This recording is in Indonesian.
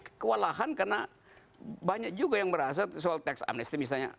kewalahan karena banyak juga yang merasa soal teks amnesty misalnya